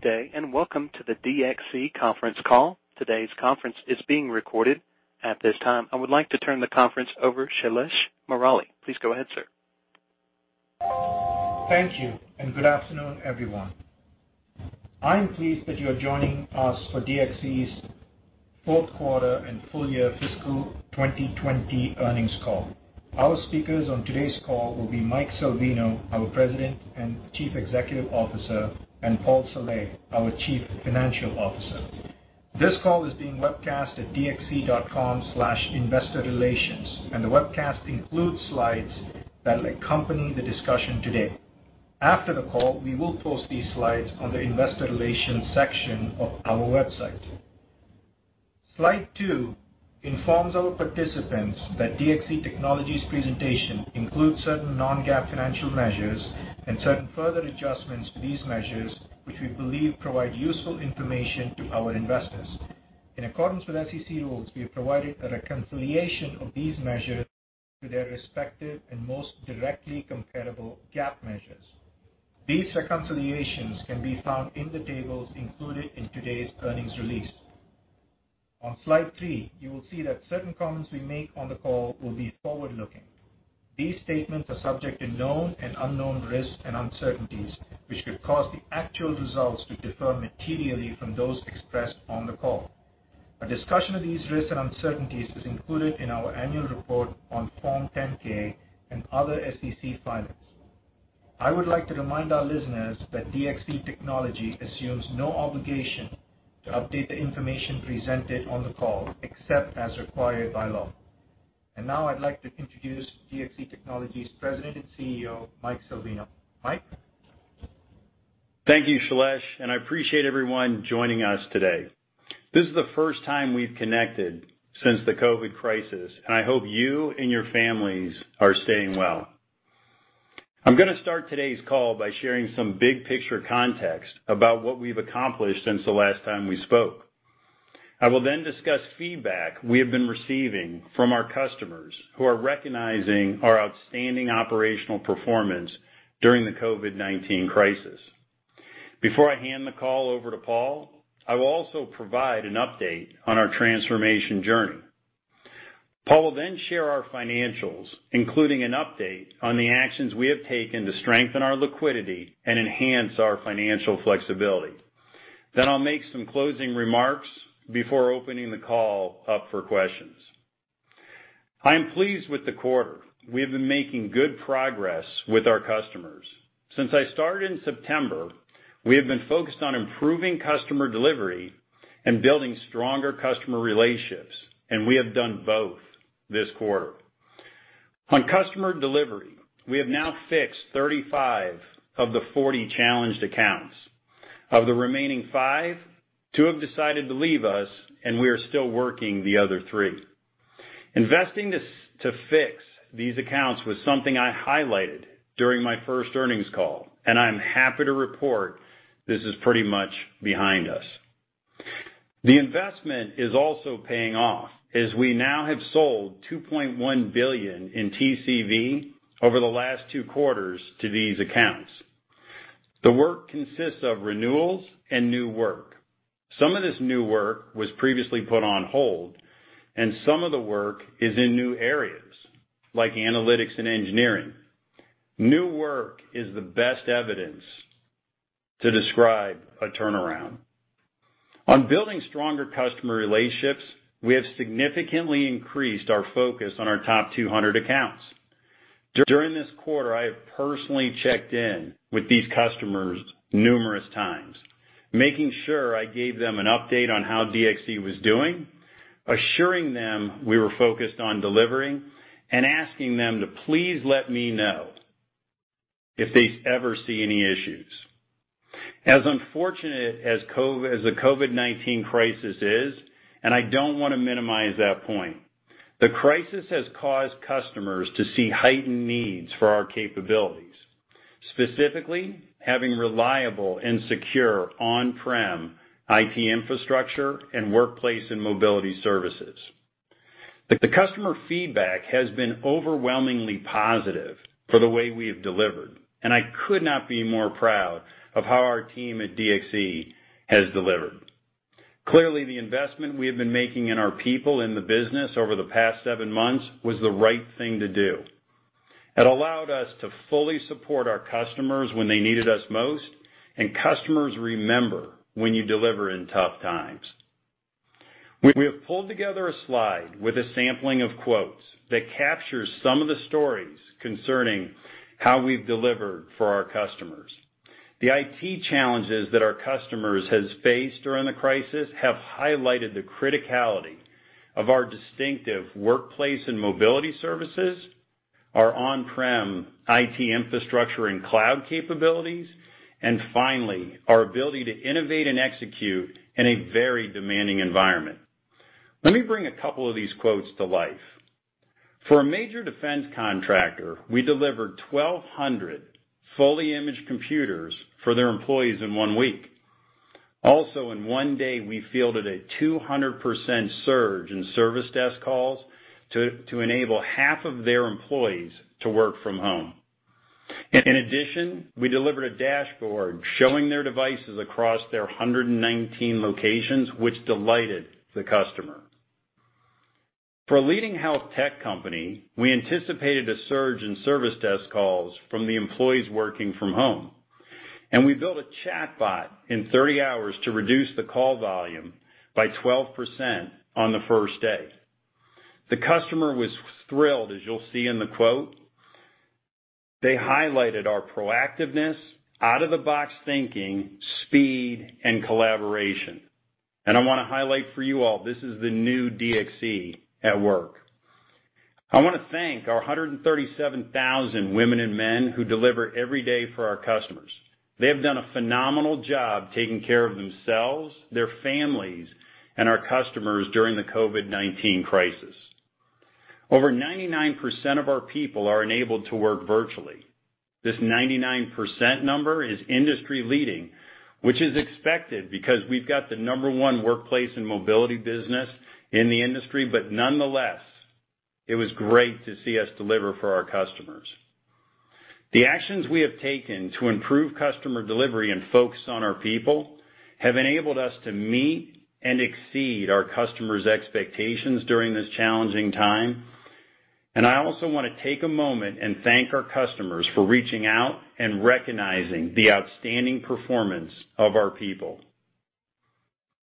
Good day, and welcome to the DXC Conference Call. Today's conference is being recorded. At this time, I would like to turn the conference over to Shailesh Murali. Please go ahead, sir. Thank you, and good afternoon, everyone. I'm pleased that you're joining us for DXC's Fourth Quarter and Full Year Fiscal 2020 Earnings Call. Our speakers on today's call will be Mike Salvino, our President and Chief Executive Officer, and Paul Saleh, our Chief Financial Officer. This call is being webcast at dxc.com/investorrelations, and the webcast includes slides that accompany the discussion today. After the call, we will post these slides on the investor relations section of our website. Slide two informs our participants that DXC Technology's presentation includes certain Non-GAAP financial measures and certain further adjustments to these measures, which we believe provide useful information to our investors. In accordance with SEC rules, we have provided a reconciliation of these measures to their respective and most directly comparable GAAP measures. These reconciliations can be found in the tables included in today's earnings release. On slide three, you will see that certain comments we make on the call will be forward-looking. These statements are subject to known and unknown risks and uncertainties, which could cause the actual results to differ materially from those expressed on the call. A discussion of these risks and uncertainties is included in our annual report on Form 10-K and other SEC filings. I would like to remind our listeners that DXC Technology assumes no obligation to update the information presented on the call, except as required by law. And now I'd like to introduce DXC Technology's President and CEO, Mike Salvino. Mike. Thank you, Shailesh, and I appreciate everyone joining us today. This is the first time we've connected since the COVID crisis, and I hope you and your families are staying well. I'm going to start today's call by sharing some big picture context about what we've accomplished since the last time we spoke. I will then discuss feedback we have been receiving from our customers who are recognizing our outstanding operational performance during the COVID-19 crisis. Before I hand the call over to Paul, I will also provide an update on our transformation journey. Paul will then share our financials, including an update on the actions we have taken to strengthen our liquidity and enhance our financial flexibility. Then I'll make some closing remarks before opening the call up for questions. I'm pleased with the quarter. We have been making good progress with our customers. Since I started in September, we have been focused on improving customer delivery and building stronger customer relationships, and we have done both this quarter. On customer delivery, we have now fixed 35 of the 40 challenged accounts. Of the remaining five, two have decided to leave us, and we are still working the other three. Investing to fix these accounts was something I highlighted during my first earnings call, and I'm happy to report this is pretty much behind us. The investment is also paying off as we now have sold $2.1 billion in TCV over the last two quarters to these accounts. The work consists of renewals and new work. Some of this new work was previously put on hold, and some of the work is in new areas like Analytics and Engineering. New work is the best evidence to describe a turnaround. On building stronger customer relationships, we have significantly increased our focus on our top 200 accounts. During this quarter, I have personally checked in with these customers numerous times, making sure I gave them an update on how DXC was doing, assuring them we were focused on delivering, and asking them to please let me know if they ever see any issues. As unfortunate as the COVID-19 crisis is, and I don't want to minimize that point, the crisis has caused customers to see heightened needs for our capabilities, specifically having reliable and secure on-prem IT infrastructure and Workplace and Mobility services. The customer feedback has been overwhelmingly positive for the way we have delivered, and I could not be more proud of how our team at DXC has delivered. Clearly, the investment we have been making in our people and the business over the past seven months was the right thing to do. It allowed us to fully support our customers when they needed us most, and customers remember when you deliver in tough times. We have pulled together a slide with a sampling of quotes that captures some of the stories concerning how we've delivered for our customers. The IT challenges that our customers have faced during the crisis have highlighted the criticality of our distinctive Workplace and Mobility services, our on-prem IT infrastructure and cloud capabilities, and finally, our ability to innovate and execute in a very demanding environment. Let me bring a couple of these quotes to life. For a major defense contractor, we delivered 1,200 fully imaged computers for their employees in one week. Also, in one day, we fielded a 200% surge in service desk calls to enable half of their employees to work from home. In addition, we delivered a dashboard showing their devices across their 119 locations, which delighted the customer. For a leading health tech company, we anticipated a surge in service desk calls from the employees working from home, and we built a chatbot in 30 hours to reduce the call volume by 12% on the first day. The customer was thrilled, as you'll see in the quote. They highlighted our proactiveness, out-of-the-box thinking, speed, and collaboration, and I want to highlight for you all, this is the new DXC at work. I want to thank our 137,000 women and men who deliver every day for our customers. They have done a phenomenal job taking care of themselves, their families, and our customers during the COVID-19 crisis. Over 99% of our people are enabled to work virtually. This 99% number is industry-leading, which is expected because we've got the number one Workplace and Mobility business in the industry, but nonetheless, it was great to see us deliver for our customers. The actions we have taken to improve customer delivery and focus on our people have enabled us to meet and exceed our customers' expectations during this challenging time, and I also want to take a moment and thank our customers for reaching out and recognizing the outstanding performance of our people.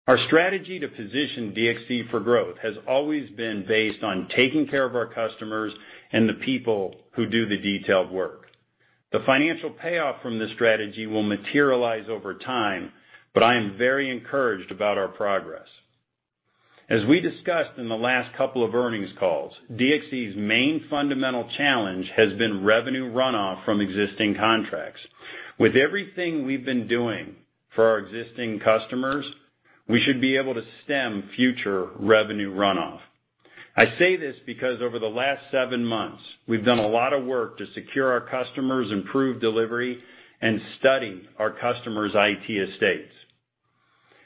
Our strategy to position DXC for growth has always been based on taking care of our customers and the people who do the detailed work. The financial payoff from this strategy will materialize over time, but I am very encouraged about our progress. As we discussed in the last couple of earnings calls, DXC's main fundamental challenge has been revenue runoff from existing contracts. With everything we've been doing for our existing customers, we should be able to stem future revenue runoff. I say this because over the last seven months, we've done a lot of work to secure our customers, improve delivery, and study our customers' IT estates.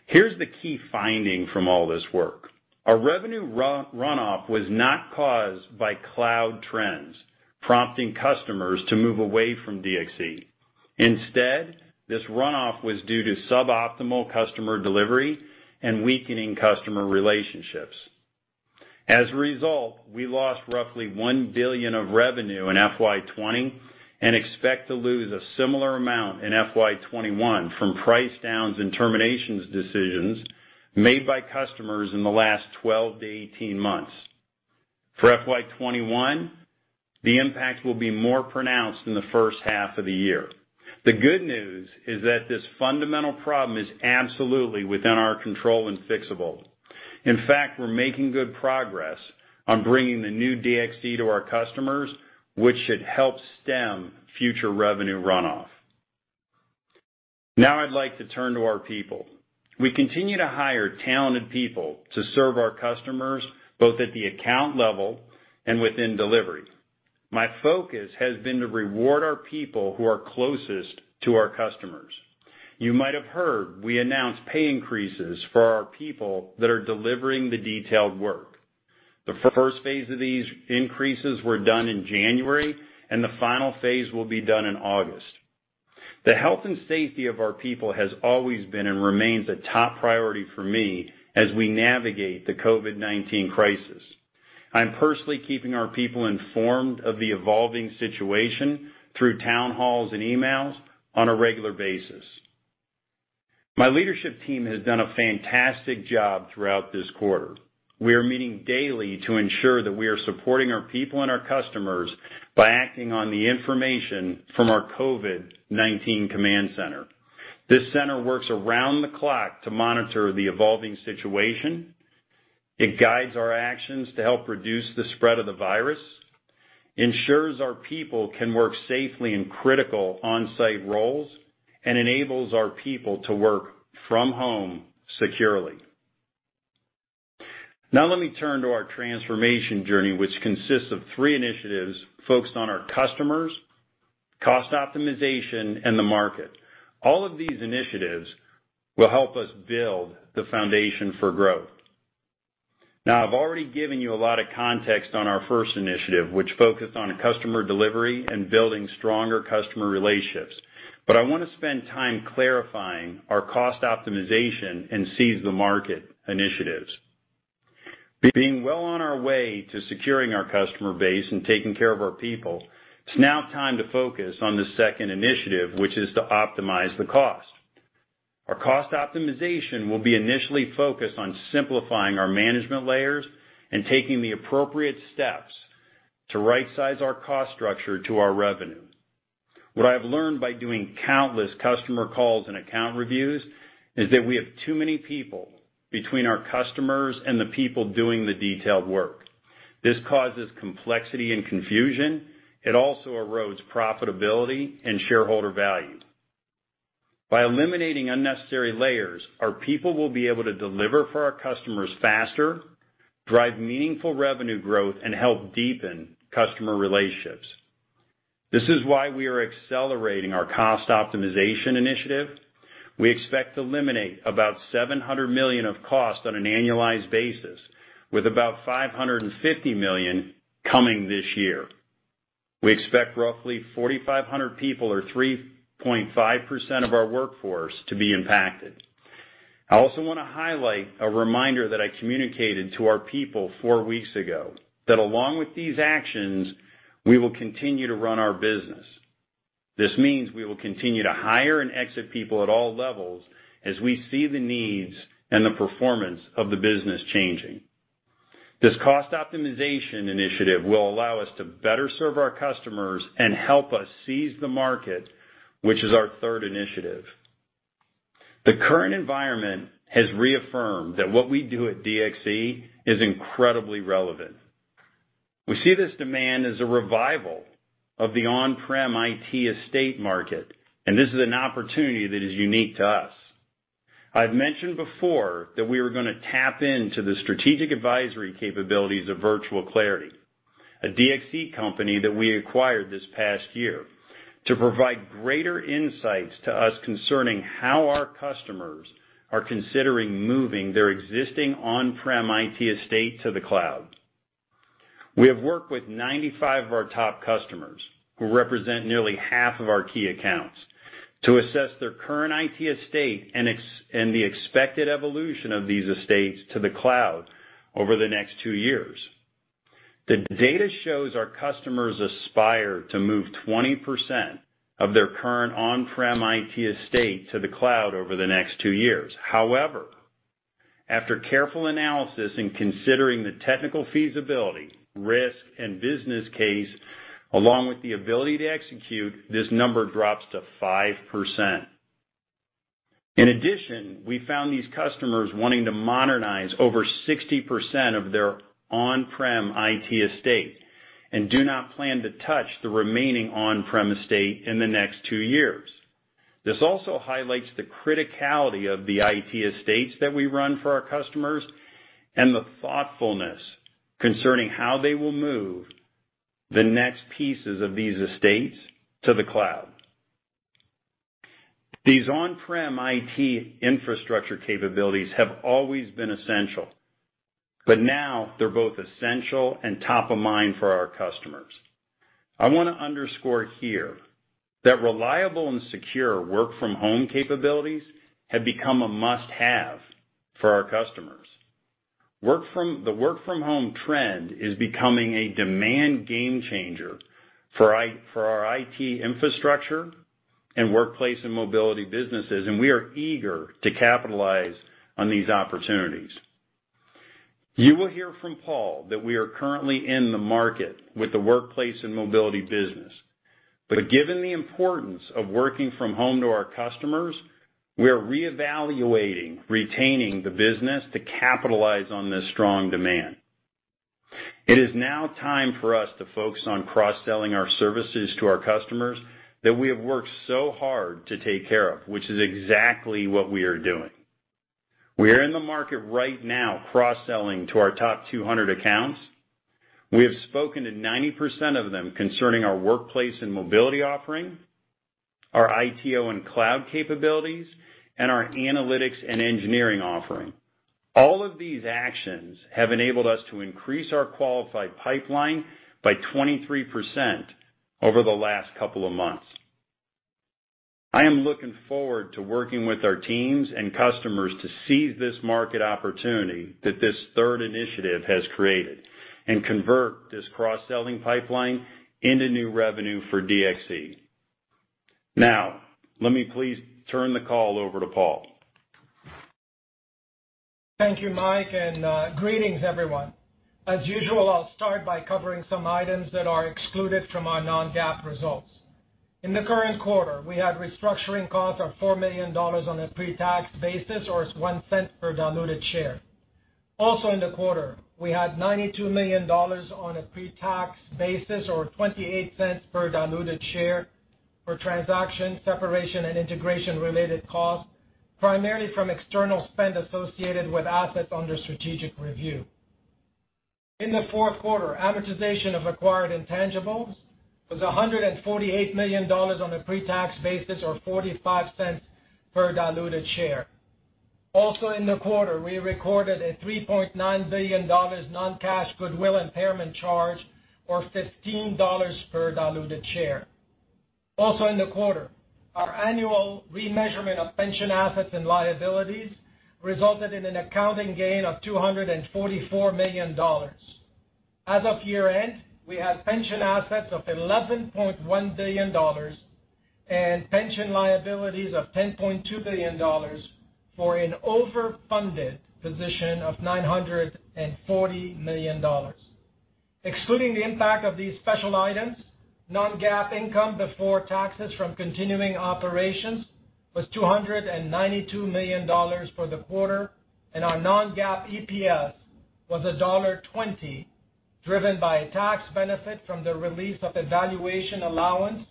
Here's the key finding from all this work. Our revenue runoff was not caused by cloud trends prompting customers to move away from DXC. Instead, this runoff was due to suboptimal customer delivery and weakening customer relationships. As a result, we lost roughly $1 billion of revenue in FY 2020 and expect to lose a similar amount in FY 2021 from price downs and terminations decisions made by customers in the last 12-18 months. For FY 2021, the impact will be more pronounced in the first half of the year. The good news is that this fundamental problem is absolutely within our control and fixable. In fact, we're making good progress on bringing the new DXC to our customers, which should help stem future revenue runoff. Now I'd like to turn to our people. We continue to hire talented people to serve our customers both at the account level and within delivery. My focus has been to reward our people who are closest to our customers. You might have heard we announced pay increases for our people that are delivering the detailed work. The first phase of these increases were done in January, and the final phase will be done in August. The health and safety of our people has always been and remains a top priority for me as we navigate the COVID-19 crisis. I'm personally keeping our people informed of the evolving situation through town halls and emails on a regular basis. My leadership team has done a fantastic job throughout this quarter. We are meeting daily to ensure that we are supporting our people and our customers by acting on the information from our COVID-19 command center. This center works around the clock to monitor the evolving situation. It guides our actions to help reduce the spread of the virus, ensures our people can work safely in critical on-site roles, and enables our people to work from home securely. Now let me turn to our transformation journey, which consists of three initiatives focused on our customers, cost optimization, and the market. All of these initiatives will help us build the foundation for growth. Now, I've already given you a lot of context on our first initiative, which focused on customer delivery and building stronger customer relationships, but I want to spend time clarifying our cost optimization and seize the market initiatives. Being well on our way to securing our customer base and taking care of our people, it's now time to focus on the second initiative, which is to optimize the cost. Our cost optimization will be initially focused on simplifying our management layers and taking the appropriate steps to right-size our cost structure to our revenue. What I have learned by doing countless customer calls and account reviews is that we have too many people between our customers and the people doing the detailed work. This causes complexity and confusion. It also erodes profitability and shareholder value. By eliminating unnecessary layers, our people will be able to deliver for our customers faster, drive meaningful revenue growth, and help deepen customer relationships. This is why we are accelerating our cost optimization initiative. We expect to eliminate about $700 million of cost on an annualized basis, with about $550 million coming this year. We expect roughly 4,500 people, or 3.5% of our workforce, to be impacted. I also want to highlight a reminder that I communicated to our people four weeks ago that along with these actions, we will continue to run our business. This means we will continue to hire and exit people at all levels as we see the needs and the performance of the business changing. This cost optimization initiative will allow us to better serve our customers and help us seize the market, which is our third initiative. The current environment has reaffirmed that what we do at DXC is incredibly relevant. We see this demand as a revival of the on-prem IT estate market, and this is an opportunity that is unique to us. I've mentioned before that we were going to tap into the strategic advisory capabilities of Virtual Clarity, a DXC company that we acquired this past year, to provide greater insights to us concerning how our customers are considering moving their existing on-prem IT estate to the cloud. We have worked with 95 of our top customers, who represent nearly half of our key accounts, to assess their current IT estate and the expected evolution of these estates to the cloud over the next two years. The data shows our customers aspire to move 20% of their current on-prem IT estate to the cloud over the next two years. However, after careful analysis and considering the technical feasibility, risk, and business case, along with the ability to execute, this number drops to 5%. In addition, we found these customers wanting to modernize over 60% of their on-prem IT estate and do not plan to touch the remaining on-prem estate in the next two years. This also highlights the criticality of the IT estates that we run for our customers and the thoughtfulness concerning how they will move the next pieces of these estates to the cloud. These on-prem IT infrastructure capabilities have always been essential, but now they're both essential and top of mind for our customers. I want to underscore here that reliable and secure work-from-home capabilities have become a must-have for our customers. The work-from-home trend is becoming a demand game changer for our IT infrastructure and Workplace and Mobility businesses, and we are eager to capitalize on these opportunities. You will hear from Paul that we are currently in the market with the Workplace and Mobility business, but given the importance of working from home to our customers, we are reevaluating retaining the business to capitalize on this strong demand. It is now time for us to focus on cross-selling our services to our customers that we have worked so hard to take care of, which is exactly what we are doing. We are in the market right now cross-selling to our top 200 accounts. We have spoken to 90% of them concerning our Workplace and Mobility offering, our ITO and cloud capabilities, and our Analytics and Engineering offering. All of these actions have enabled us to increase our qualified pipeline by 23% over the last couple of months. I am looking forward to working with our teams and customers to seize this market opportunity that this third initiative has created and convert this cross-selling pipeline into new revenue for DXC. Now, let me please turn the call over to Paul. Thank you, Mike, and greetings, everyone. As usual, I'll start by covering some items that are excluded from our Non-GAAP results. In the current quarter, we had restructuring costs of $4 million on a pre-tax basis, or $0.01 per diluted share. Also, in the quarter, we had $92 million on a pre-tax basis, or $0.28 per diluted share for transaction separation and integration-related costs, primarily from external spend associated with assets under strategic review. In the fourth quarter, amortization of acquired intangibles was $148 million on a pre-tax basis, or $0.45 per diluted share. Also, in the quarter, we recorded a $3.9 billion non-cash goodwill impairment charge, or $15 per diluted share. Also, in the quarter, our annual remeasurement of pension assets and liabilities resulted in an accounting gain of $244 million. As of year-end, we had pension assets of $11.1 billion and pension liabilities of $10.2 billion for an overfunded position of $940 million. Excluding the impact of these special items, Non-GAAP income before taxes from continuing operations was $292 million for the quarter, and our Non-GAAP EPS was $1.20, driven by a tax benefit from the release of the valuation allowance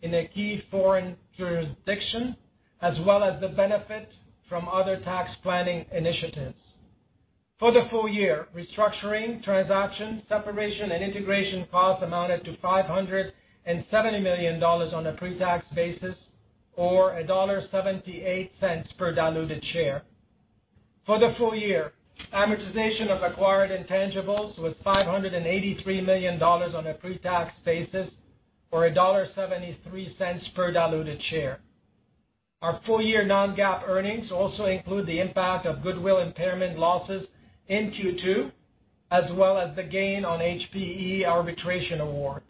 in a key foreign jurisdiction, as well as the benefit from other tax planning initiatives. For the full year, restructuring, transaction separation, and integration costs amounted to $570 million on a pre-tax basis, or $1.78 per diluted share. For the full year, amortization of acquired intangibles was $583 million on a pre-tax basis, or $1.73 per diluted share. Our full-year Non-GAAP earnings also include the impact of goodwill impairment losses in Q2, as well as the gain on HPE arbitration award.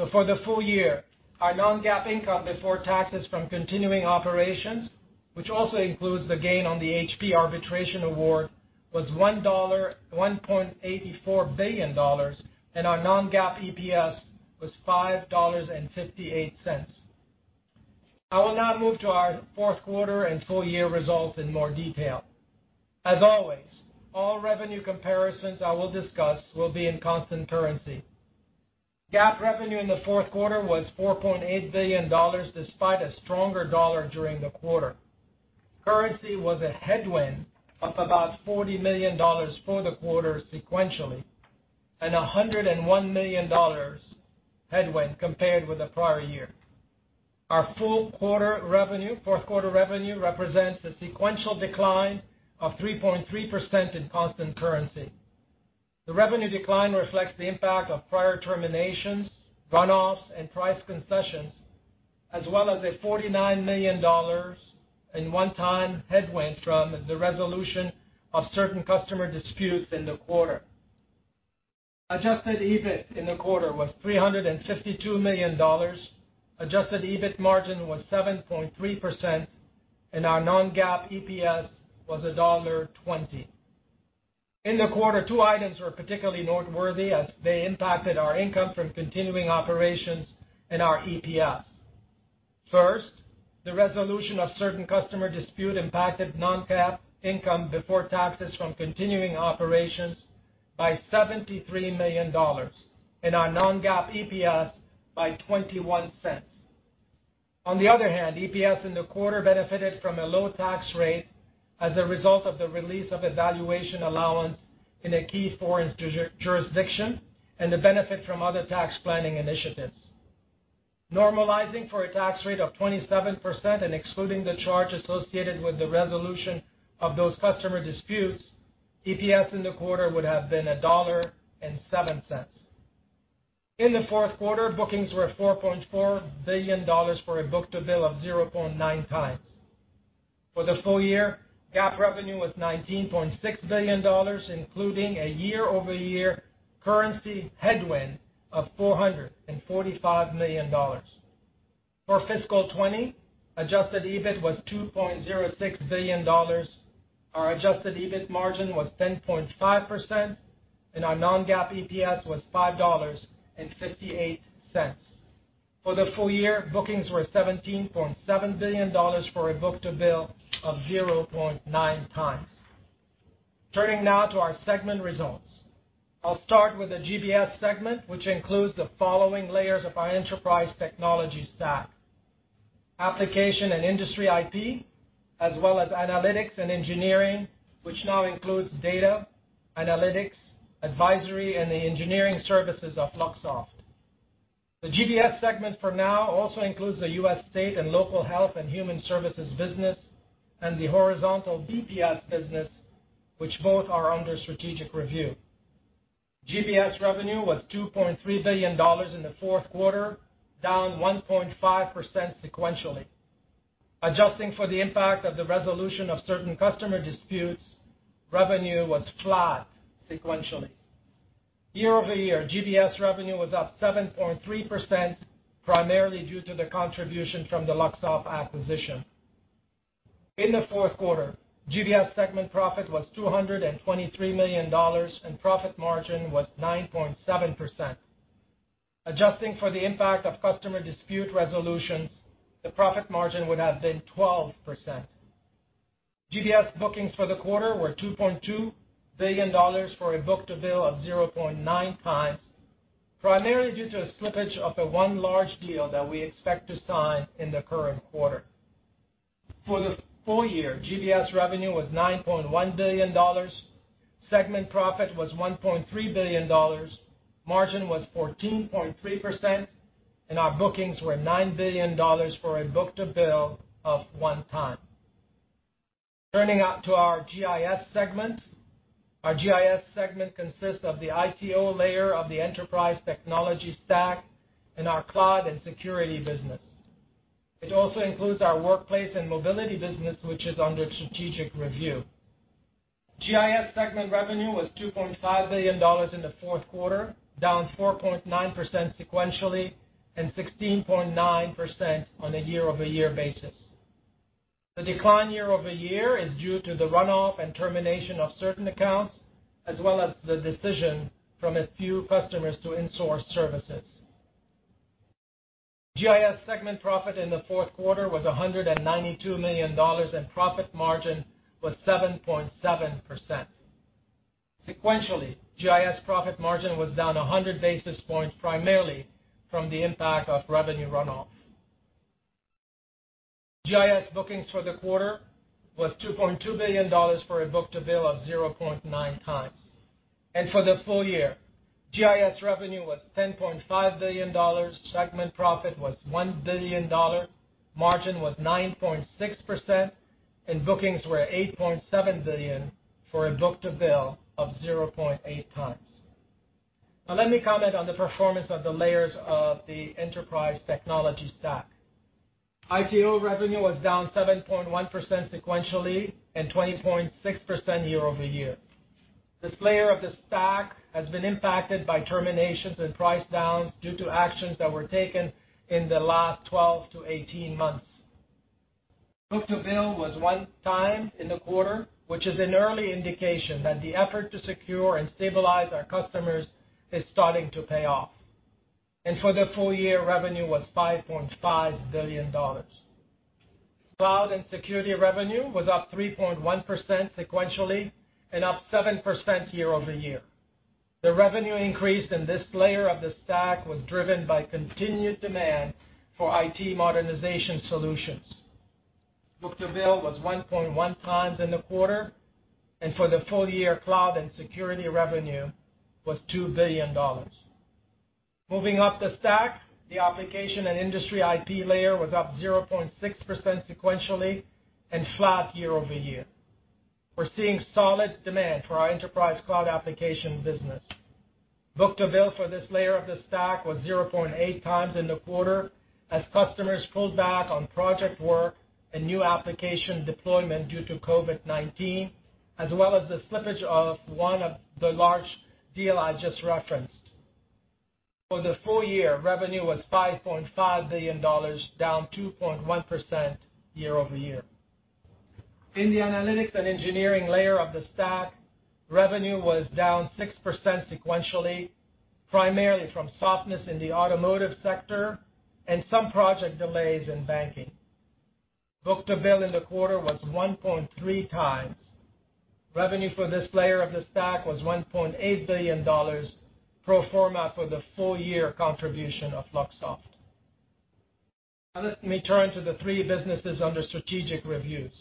So, for the full year, our Non-GAAP income before taxes from continuing operations, which also includes the gain on the HPE arbitration award, was $1.84 billion, and our Non-GAAP EPS was $5.58. I will now move to our fourth quarter and full-year results in more detail. As always, all revenue comparisons I will discuss will be in constant currency. GAAP revenue in the fourth quarter was $4.8 billion, despite a stronger dollar during the quarter. Currency was a headwind of about $40 million for the quarter sequentially and $101 million headwind compared with the prior year. Our fourth quarter revenue represents a sequential decline of 3.3% in constant currency. The revenue decline reflects the impact of prior terminations, runoffs, and price concessions, as well as a $49 million in one-time headwind from the resolution of certain customer disputes in the quarter. Adjusted EBIT in the quarter was $352 million. Adjusted EBIT margin was 7.3%, and our Non-GAAP EPS was $1.20. In the quarter, two items were particularly noteworthy as they impacted our income from continuing operations and our EPS. First, the resolution of certain customer disputes impacted Non-GAAP income before taxes from continuing operations by $73 million and our Non-GAAP EPS by $0.21. On the other hand, EPS in the quarter benefited from a low tax rate as a result of the release of a valuation allowance in a key foreign jurisdiction and the benefit from other tax planning initiatives. Normalizing for a tax rate of 27% and excluding the charge associated with the resolution of those customer disputes, EPS in the quarter would have been $1.07. In the fourth quarter, bookings were $4.4 billion for a book-to-bill of 0.9 times. For the full year, GAAP revenue was $19.6 billion, including a year-over-year currency headwind of $445 million. For fiscal 2020, adjusted EBIT was $2.06 billion. Our adjusted EBIT margin was 10.5%, and our Non-GAAP EPS was $5.58. For the full year, bookings were $17.7 billion for a book-to-bill of 0.9 times. Turning now to our segment results, I'll start with the GBS segment, which includes the following layers of our enterprise technology stack: Application and Industry IP, as well as Analytics and Engineering, which now includes data, analytics, advisory, and the engineering services of Luxoft. The GBS segment for now also includes the U.S. State and Local Health and Human Services business and the Horizontal BPS business, which both are under strategic review. GBS revenue was $2.3 billion in the fourth quarter, down 1.5% sequentially. Adjusting for the impact of the resolution of certain customer disputes, revenue was flat sequentially. Year-over-year, GBS revenue was up 7.3%, primarily due to the contribution from the Luxoft acquisition. In the fourth quarter, GBS segment profit was $223 million, and profit margin was 9.7%. Adjusting for the impact of customer dispute resolutions, the profit margin would have been 12%. GBS bookings for the quarter were $2.2 billion for a book-to-bill of 0.9 times, primarily due to a slippage of one large deal that we expect to sign in the current quarter. For the full year, GBS revenue was $9.1 billion. Segment profit was $1.3 billion. Margin was 14.3%, and our bookings were $9 billion for a book-to-bill of one time. Turning to our GIS segment, our GIS segment consists of the ITO layer of the enterprise technology stack and our Cloud and Security business. It also includes our Workplace and Mobility business, which is under strategic review. GIS segment revenue was $2.5 billion in the fourth quarter, down 4.9% sequentially and 16.9% on a year-over-year basis. The decline year-over-year is due to the runoff and termination of certain accounts, as well as the decision from a few customers to insource services. GIS segment profit in the fourth quarter was $192 million, and profit margin was 7.7%. Sequentially, GIS profit margin was down 100 basis points, primarily from the impact of revenue runoff. GIS bookings for the quarter was $2.2 billion for a book-to-bill of 0.9 times. And for the full year, GIS revenue was $10.5 billion. Segment profit was $1 billion. Margin was 9.6%, and bookings were $8.7 billion for a book-to-bill of 0.8 times. Now, let me comment on the performance of the layers of the enterprise technology stack. ITO revenue was down 7.1% sequentially and 20.6% year-over-year. This layer of the stack has been impacted by terminations and price downs due to actions that were taken in the last 12 to 18 months. Book-to-bill was 1 time in the quarter, which is an early indication that the effort to secure and stabilize our customers is starting to pay off. For the full year, revenue was $5.5 billion. Cloud and Security revenue was up 3.1% sequentially and up 7% year-over-year. The revenue increase in this layer of the stack was driven by continued demand for IT modernization solutions. Book-to-bill was 1.1 times in the quarter, and for the full year, Cloud and Security revenue was $2 billion. Moving up the stack, the Application and Industry IP layer was up 0.6% sequentially and flat year-over-year. We're seeing solid demand for our enterprise cloud application business. Book-to-bill for this layer of the stack was 0.8 times in the quarter as customers pulled back on project work and new application deployment due to COVID-19, as well as the slippage of one of the large deals I just referenced. For the full year, revenue was $5.5 billion, down 2.1% year-over-year. In the Analytics and Engineering layer of the stack, revenue was down 6% sequentially, primarily from softness in the automotive sector and some project delays in banking. Book-to-bill in the quarter was 1.3 times. Revenue for this layer of the stack was $1.8 billion pro forma for the full-year contribution of Luxoft. Now, let me turn to the three businesses under strategic reviews.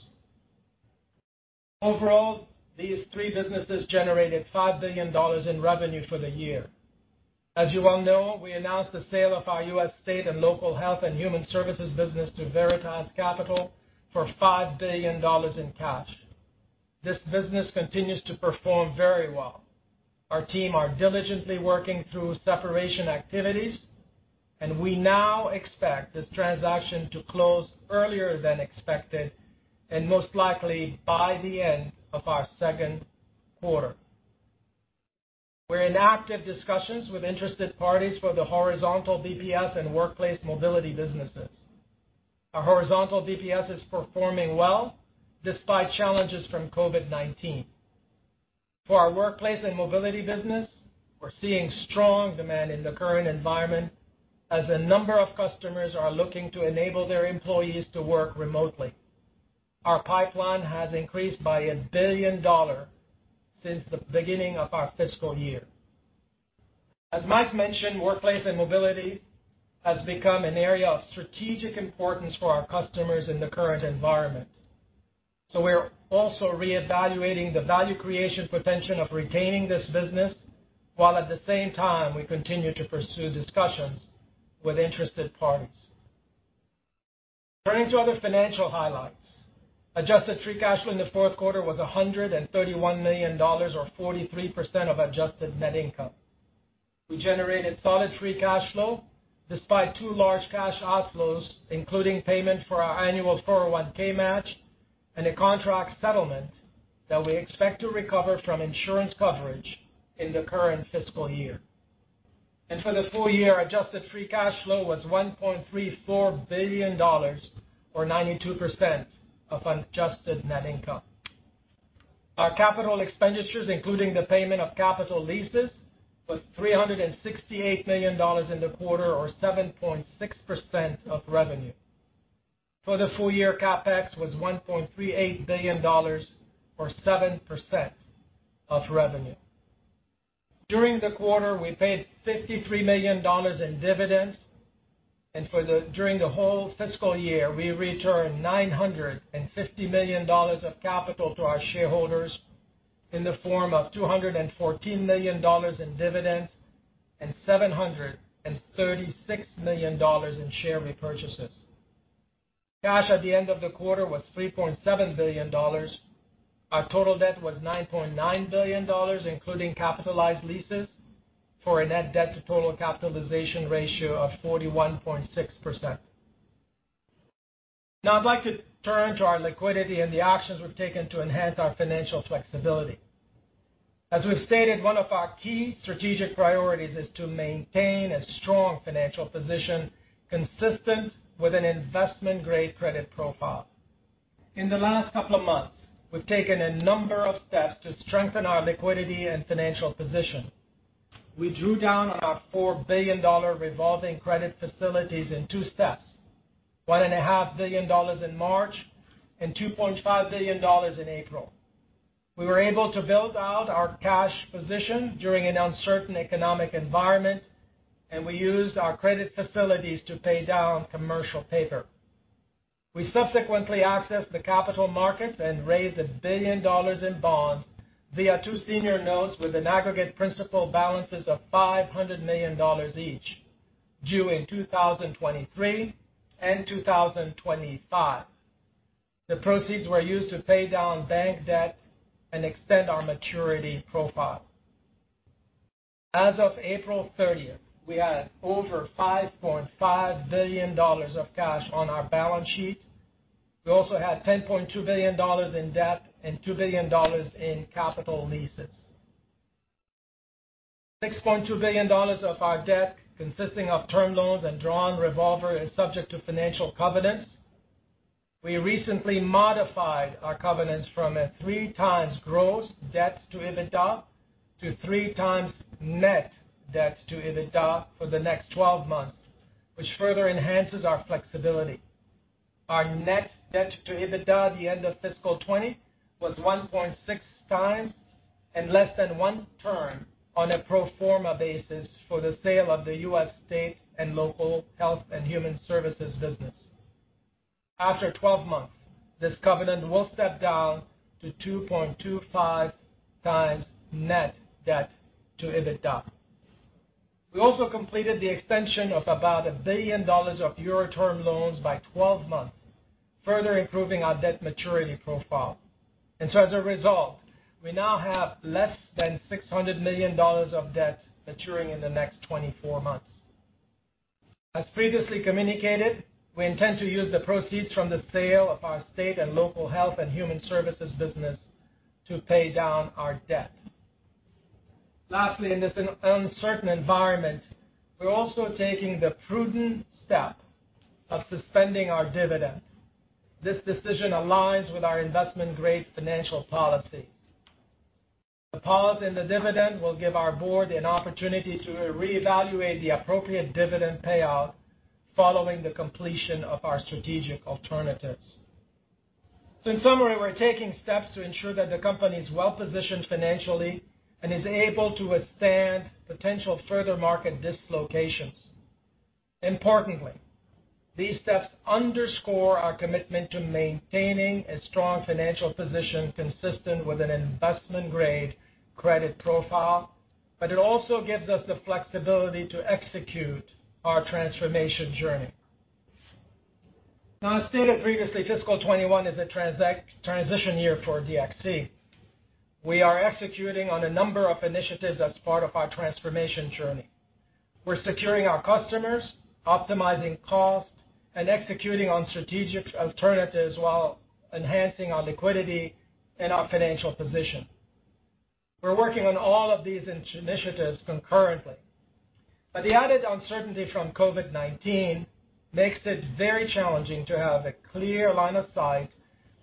Overall, these three businesses generated $5 billion in revenue for the year. As you all know, we announced the sale of our U.S. State and Local Health and Human Services business to Veritas Capital for $5 billion in cash. This business continues to perform very well. Our team is diligently working through separation activities, and we now expect this transaction to close earlier than expected and most likely by the end of our second quarter. We're in active discussions with interested parties for the Horizontal BPS and Workplace Mobility businesses. Our Horizontal BPS is performing well despite challenges from COVID-19. For our Workplace and Mobility business, we're seeing strong demand in the current environment as a number of customers are looking to enable their employees to work remotely. Our pipeline has increased by $1 billion since the beginning of our fiscal year. As Mike mentioned, Workplace and Mobility has become an area of strategic importance for our customers in the current environment. So we're also reevaluating the value creation potential of retaining this business while at the same time we continue to pursue discussions with interested parties. Turning to other financial highlights, adjusted free cash flow in the fourth quarter was $131 million, or 43% of adjusted net income. We generated solid free cash flow despite two large cash outflows, including payment for our annual 401(k) match and a contract settlement that we expect to recover from insurance coverage in the current fiscal year, and for the full year, adjusted free cash flow was $1.34 billion, or 92% of adjusted net income. Our capital expenditures, including the payment of capital leases, were $368 million in the quarter, or 7.6% of revenue. For the full year, CapEx was $1.38 billion, or 7% of revenue. During the quarter, we paid $53 million in dividends, and during the whole fiscal year, we returned $950 million of capital to our shareholders in the form of $214 million in dividends and $736 million in share repurchases. Cash at the end of the quarter was $3.7 billion. Our total debt was $9.9 billion, including capitalized leases, for a net debt-to-total capitalization ratio of 41.6%. Now, I'd like to turn to our liquidity and the actions we've taken to enhance our financial flexibility. As we've stated, one of our key strategic priorities is to maintain a strong financial position consistent with an investment-grade credit profile. In the last couple of months, we've taken a number of steps to strengthen our liquidity and financial position. We drew down on our $4 billion revolving credit facilities in two steps: $1.5 billion in March and $2.5 billion in April. We were able to build out our cash position during an uncertain economic environment, and we used our credit facilities to pay down commercial paper. We subsequently accessed the capital markets and raised $1 billion in bonds via two senior notes with an aggregate principal balances of $500 million each due in 2023 and 2025. The proceeds were used to pay down bank debt and extend our maturity profile. As of April 30th, we had over $5.5 billion of cash on our balance sheet. We also had $10.2 billion in debt and $2 billion in capital leases. $6.2 billion of our debt, consisting of term loans and drawn revolver, is subject to financial covenants. We recently modified our covenants from a three-times gross debt-to-EBITDA to three-times net debt-to-EBITDA for the next 12 months, which further enhances our flexibility. Our net debt-to-EBITDA at the end of fiscal 2020 was 1.6 times and less than one times on a pro forma basis for the sale of the U.S. State and Local Health and Human Services business. After 12 months, this covenant will step down to 2.25 times net debt-to-EBITDA. We also completed the extension of about $1 billion of Euro term loans by 12 months, further improving our debt maturity profile. As a result, we now have less than $600 million of debt maturing in the next 24 months. As previously communicated, we intend to use the proceeds from the sale of our State and Local Health and Human Services business to pay down our debt. Lastly, in this uncertain environment, we're also taking the prudent step of suspending our dividend. This decision aligns with our investment-grade financial policy. The pause in the dividend will give our board an opportunity to reevaluate the appropriate dividend payout following the completion of our strategic alternatives. In summary, we're taking steps to ensure that the company is well-positioned financially and is able to withstand potential further market dislocations. Importantly, these steps underscore our commitment to maintaining a strong financial position consistent with an investment-grade credit profile, but it also gives us the flexibility to execute our transformation journey. Now, as stated previously, fiscal 2021 is a transition year for DXC. We are executing on a number of initiatives as part of our transformation journey. We're securing our customers, optimizing costs, and executing on strategic alternatives while enhancing our liquidity and our financial position. We're working on all of these initiatives concurrently. But the added uncertainty from COVID-19 makes it very challenging to have a clear line of sight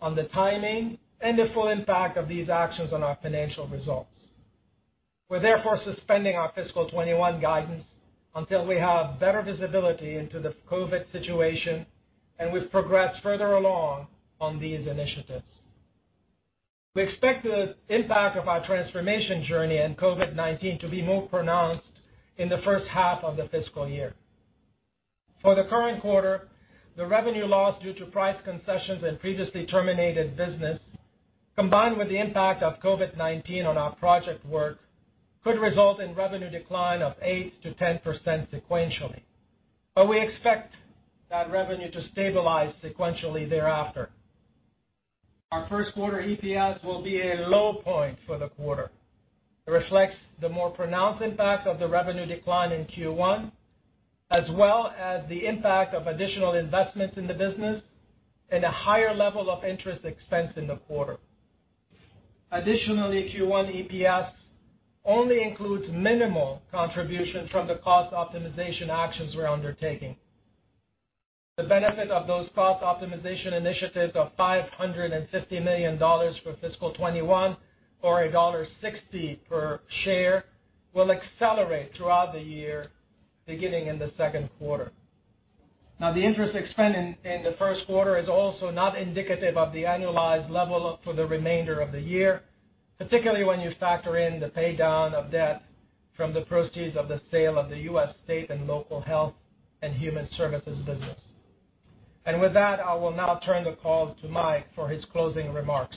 on the timing and the full impact of these actions on our financial results. We're therefore suspending our fiscal 2021 guidance until we have better visibility into the COVID situation and we've progressed further along on these initiatives. We expect the impact of our transformation journey and COVID-19 to be more pronounced in the first half of the fiscal year. For the current quarter, the revenue loss due to price concessions and previously terminated business, combined with the impact of COVID-19 on our project work, could result in revenue decline of 8%-10% sequentially. But we expect that revenue to stabilize sequentially thereafter. Our first quarter EPS will be a low point for the quarter. It reflects the more pronounced impact of the revenue decline in Q1, as well as the impact of additional investments in the business and a higher level of interest expense in the quarter. Additionally, Q1 EPS only includes minimal contributions from the cost optimization actions we're undertaking. The benefit of those cost optimization initiatives of $550 million for fiscal 2021, or $1.60 per share, will accelerate throughout the year beginning in the second quarter. Now, the interest expense in the first quarter is also not indicative of the annualized level for the remainder of the year, particularly when you factor in the paydown of debt from the proceeds of the sale of the U.S. State and Local Health and Human Services business. And with that, I will now turn the call to Mike for his closing remarks.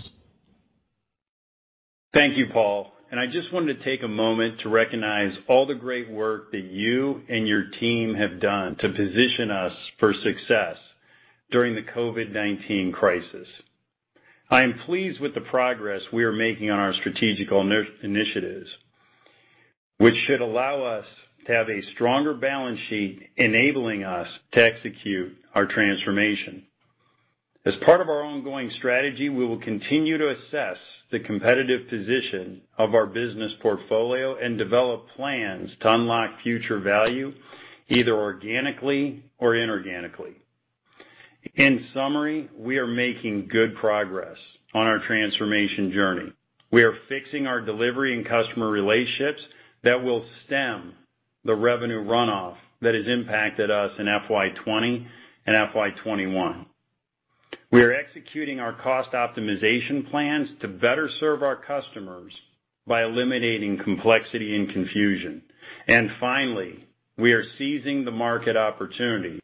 Thank you, Paul. And I just wanted to take a moment to recognize all the great work that you and your team have done to position us for success during the COVID-19 crisis. I am pleased with the progress we are making on our strategic initiatives, which should allow us to have a stronger balance sheet enabling us to execute our transformation. As part of our ongoing strategy, we will continue to assess the competitive position of our business portfolio and develop plans to unlock future value either organically or inorganically. In summary, we are making good progress on our transformation journey. We are fixing our delivery and customer relationships that will stem the revenue runoff that has impacted us in FY 2020 and FY 2021. We are executing our cost optimization plans to better serve our customers by eliminating complexity and confusion, and finally, we are seizing the market opportunity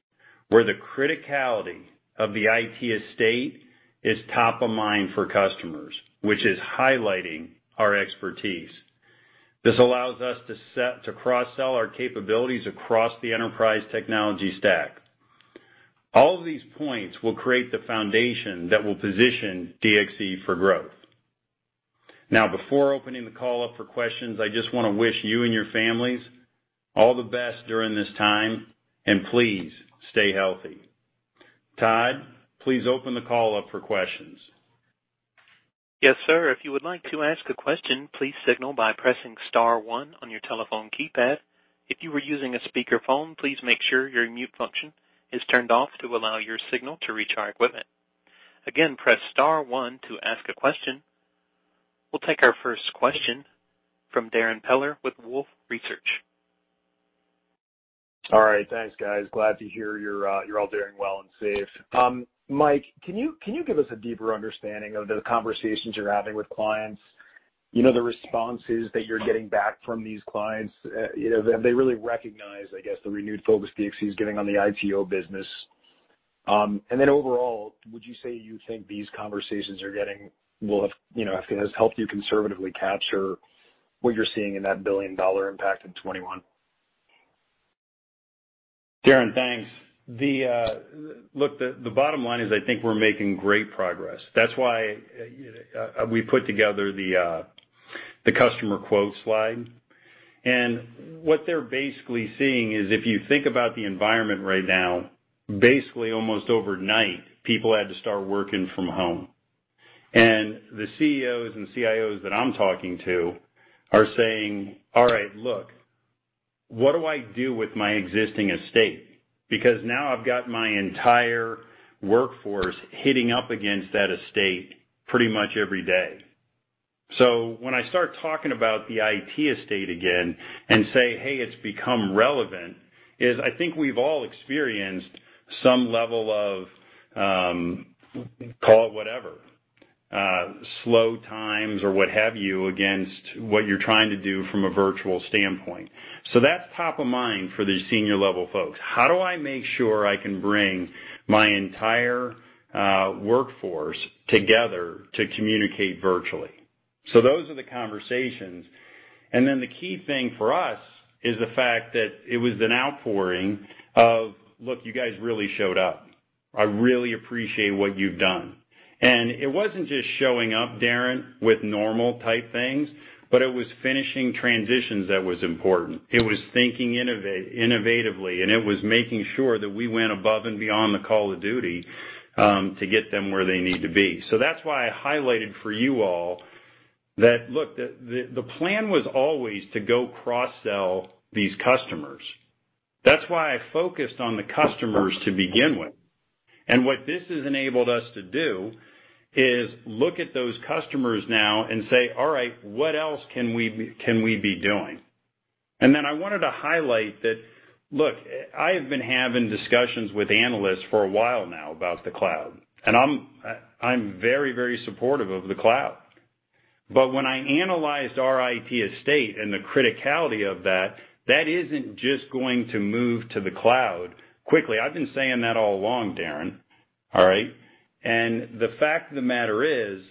where the criticality of the IT estate is top of mind for customers, which is highlighting our expertise. This allows us to cross-sell our capabilities across the enterprise technology stack. All of these points will create the foundation that will position DXC for growth. Now, before opening the call up for questions, I just want to wish you and your families all the best during this time, and please stay healthy. Todd, please open the call up for questions. Yes, sir. If you would like to ask a question, please signal by pressing Star 1 on your telephone keypad. If you were using a speakerphone, please make sure your mute function is turned off to allow your signal to reach our equipment. Again, press Star 1 to ask a question. We'll take our first question from Darrin Peller with Wolfe Research. All right. Thanks, guys. Glad to hear you're all doing well and safe. Mike, can you give us a deeper understanding of the conversations you're having with clients? The responses that you're getting back from these clients, have they really recognized, I guess, the renewed focus DXC is getting on the ITO business? Then overall, would you say you think these conversations will have helped you conservatively capture what you're seeing in that $1 billion impact in 2021? Darrin, thanks. Look, the bottom line is I think we're making great progress. That's why we put together the customer quote slide. And what they're basically seeing is if you think about the environment right now, basically almost overnight, people had to start working from home. And the CEOs and CIOs that I'm talking to are saying, "All right, look, what do I do with my existing estate?" Because now I've got my entire workforce hitting up against that estate pretty much every day. So when I start talking about the IT estate again and say, "Hey, it's become relevant," is I think we've all experienced some level of, call it whatever, slow times or what have you against what you're trying to do from a virtual standpoint. So that's top of mind for the senior-level folks. How do I make sure I can bring my entire workforce together to communicate virtually? So those are the conversations. And then the key thing for us is the fact that it was an outpouring of, "Look, you guys really showed up. I really appreciate what you've done." And it wasn't just showing up, Darrin with normal-type things, but it was finishing transitions that was important. It was thinking innovatively, and it was making sure that we went above and beyond the call of duty to get them where they need to be. So that's why I highlighted for you all that, look, the plan was always to go cross-sell these customers. That's why I focused on the customers to begin with. And what this has enabled us to do is look at those customers now and say, "All right, what else can we be doing?" And then I wanted to highlight that, look, I have been having discussions with analysts for a while now about the cloud. And I'm very, very supportive of the cloud. But when I analyzed our IT estate and the criticality of that, that isn't just going to move to the cloud quickly. I've been saying that all along, Darrin, all right? And the fact of the matter is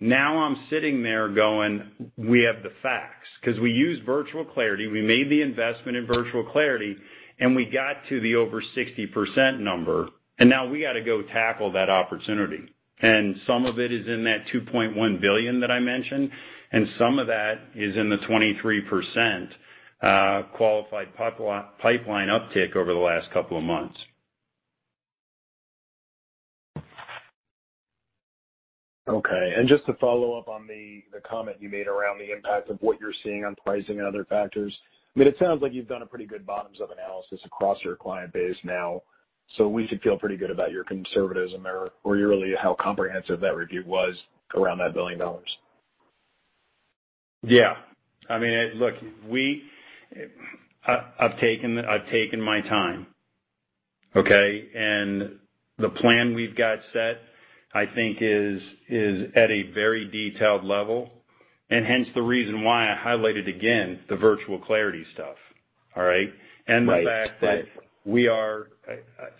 now I'm sitting there going, "We have the facts." Because we used Virtual Clarity. We made the investment in Virtual Clarity, and we got to the over 60% number. Now we got to go tackle that opportunity. And some of it is in that $2.1 billion that I mentioned, and some of that is in the 23% qualified pipeline uptick over the last couple of months. Okay. Just to follow up on the comment you made around the impact of what you're seeing on pricing and other factors, I mean, it sounds like you've done a pretty good bottoms-up analysis across your client base now. So we should feel pretty good about your conservatism or really how comprehensive that review was around that $1 billion. Yeah. I mean, look, I've taken my time. Okay? The plan we've got set, I think, is at a very detailed level. Hence the reason why I highlighted again the Virtual Clarity stuff. All right? The fact that we are,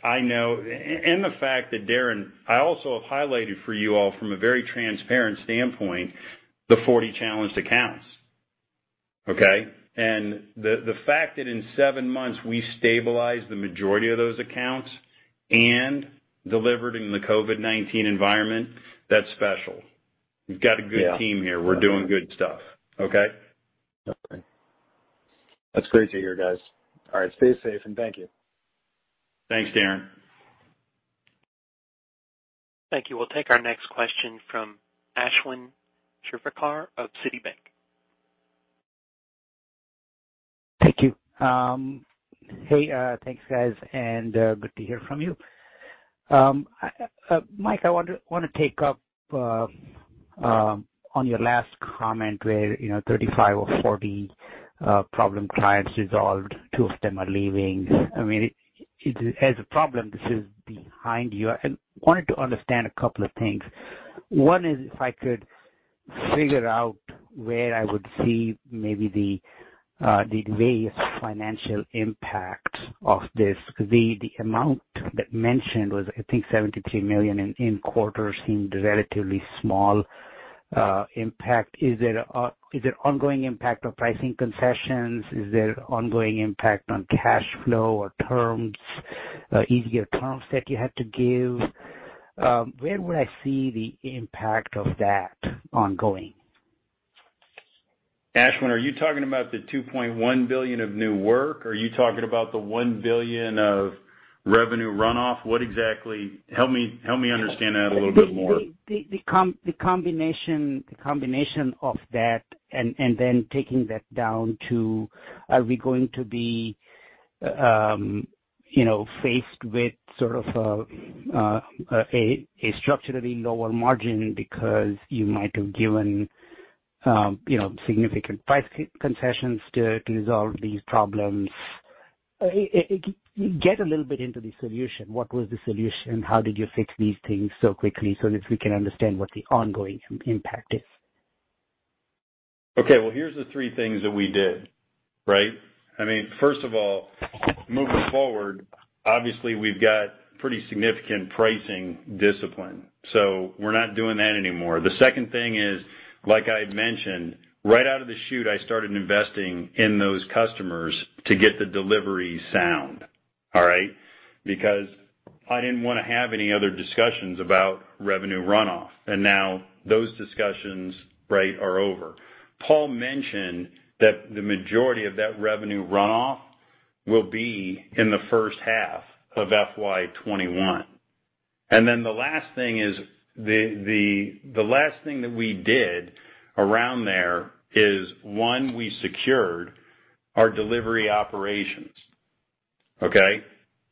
I know. And the fact that, Darrin, I also have highlighted for you all from a very transparent standpoint the 40 challenged accounts. Okay? And the fact that in seven months we stabilized the majority of those accounts and delivered in the COVID-19 environment, that's special. We've got a good team here. We're doing good stuff. Okay? That's great to hear, guys. All right. Stay safe and thank you. Thanks, Darrin. Thank you. We'll take our next question from Ashwin Shirvaikar of Citibank. Thank you. Hey, thanks, guys. And good to hear from you. Mike, I want to take up on your last comment where 35 or 40 problem clients resolved. Two of them are leaving. I mean, as a problem, this is behind you. I wanted to understand a couple of things. One is if I could figure out where I would see maybe the various financial impacts of this. The amount that mentioned was, I think, $73 million in quarter seemed relatively small impact. Is there ongoing impact on pricing concessions? Is there ongoing impact on cash flow or easier terms that you had to give? Where would I see the impact of that ongoing? Ashwin, are you talking about the $2.1 billion of new work? Are you talking about the $1 billion of revenue runoff? Help me understand that a little bit more. The combination of that and then taking that down to, are we going to be faced with sort of a structurally lower margin because you might have given significant price concessions to resolve these problems? Get a little bit into the solution. What was the solution? How did you fix these things so quickly so that we can understand what the ongoing impact is? Okay. Well, here's the three things that we did. Right? I mean, first of all, moving forward, obviously, we've got pretty significant pricing discipline. So we're not doing that anymore. The second thing is, like I had mentioned, right out of the chute, I started investing in those customers to get the delivery sound. All right? Because I didn't want to have any other discussions about revenue runoff. And now those discussions, right, are over. Paul mentioned that the majority of that revenue runoff will be in the first half of FY 2021. And then the last thing is the last thing that we did around there is, one, we secured our delivery operations. Okay?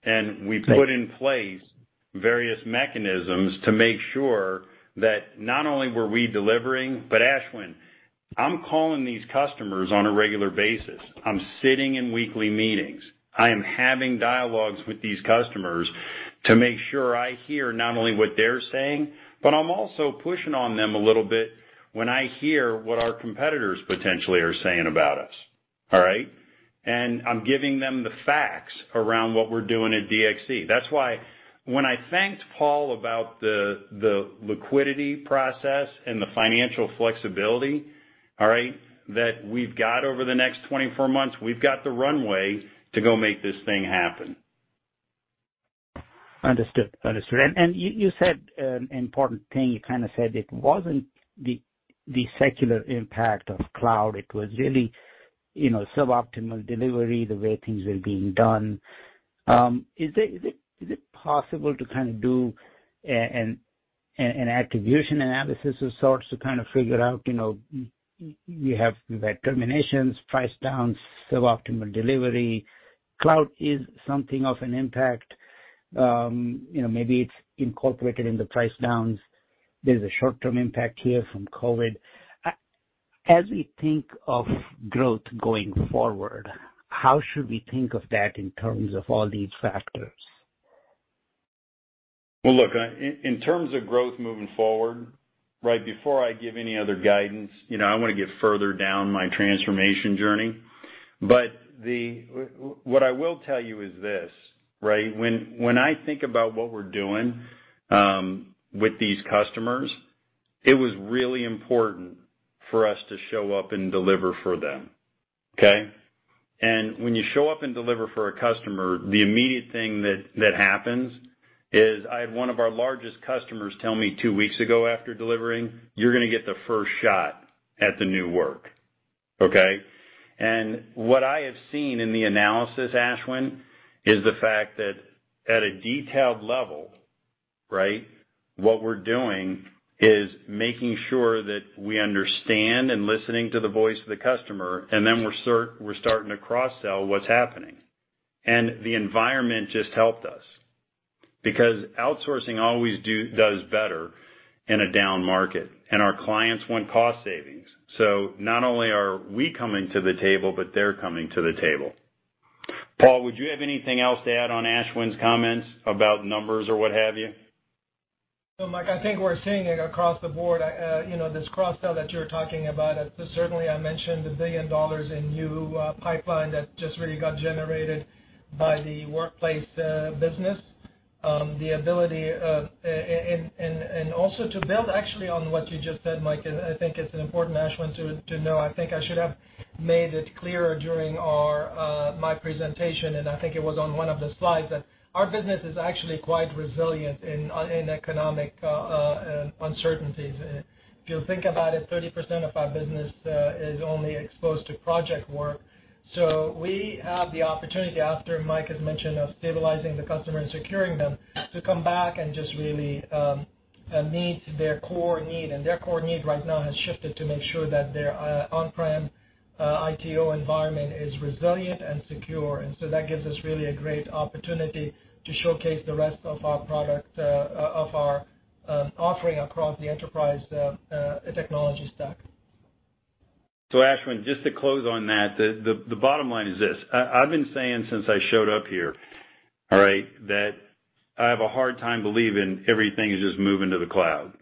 And we put in place various mechanisms to make sure that not only were we delivering, but Ashwin, I'm calling these customers on a regular basis. I'm sitting in weekly meetings. I am having dialogues with these customers to make sure I hear not only what they're saying, but I'm also pushing on them a little bit when I hear what our competitors potentially are saying about us. All right? And I'm giving them the facts around what we're doing at DXC. That's why when I thanked Paul about the liquidity process and the financial flexibility, all right, that we've got over the next 24 months, we've got the runway to go make this thing happen. Understood. Understood. And you said an important thing. You kind of said it wasn't the secular impact of cloud. It was really suboptimal delivery, the way things were being done. Is it possible to kind of do an attribution analysis of sorts to kind of figure out you have determinations, price downs, suboptimal delivery? Cloud is something of an impact. Maybe it's incorporated in the price downs. There's a short-term impact here from COVID. As we think of growth going forward, how should we think of that in terms of all these factors? Well, look, in terms of growth moving forward, right, before I give any other guidance, I want to get further down my transformation journey. But what I will tell you is this, right? When I think about what we're doing with these customers, it was really important for us to show up and deliver for them. Okay? And when you show up and deliver for a customer, the immediate thing that happens is I had one of our largest customers tell me two weeks ago after delivering, "You're going to get the first shot at the new work." Okay? What I have seen in the analysis, Ashwin, is the fact that at a detailed level, right, what we're doing is making sure that we understand and listening to the voice of the customer, and then we're starting to cross-sell what's happening. And the environment just helped us. Because outsourcing always does better in a down market. And our clients want cost savings. So not only are we coming to the table, but they're coming to the table. Paul, would you have anything else to add on Ashwin's comments about numbers or what have you? Mike, I think we're seeing it across the board. This cross-sell that you're talking about, certainly I mentioned the billion dollars in new pipeline that just really got generated by the workplace business. The ability and also to build actually on what you just said, Mike, I think it's important, Ashwin, to know. I think I should have made it clearer during my presentation, and I think it was on one of the slides that our business is actually quite resilient in economic uncertainties. If you think about it, 30% of our business is only exposed to project work, so we have the opportunity, after Mike has mentioned of stabilizing the customer and securing them, to come back and just really meet their core need, and their core need right now has shifted to make sure that their on-prem ITO environment is resilient and secure, and so that gives us really a great opportunity to showcase the rest of our product, of our offering across the enterprise technology stack, So Ashwin, just to close on that, the bottom line is this. I've been saying since I showed up here, all right, that I have a hard time believing everything is just moving to the cloud.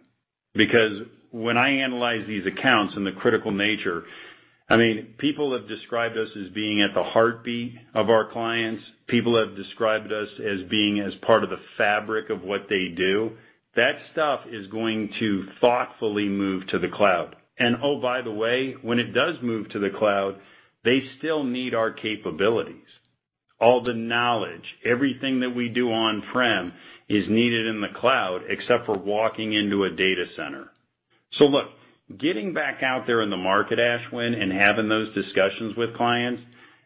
Because when I analyze these accounts and the critical nature, I mean, people have described us as being at the heartbeat of our clients. People have described us as being as part of the fabric of what they do. That stuff is going to thoughtfully move to the cloud. And oh, by the way, when it does move to the cloud, they still need our capabilities. All the knowledge, everything that we do on-prem is needed in the cloud except for walking into a data center. Look, getting back out there in the market, Ashwin, and having those discussions with clients